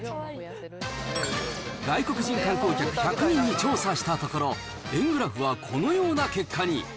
外国人観光客１００人に調査したところ、円グラフはこのような結果に。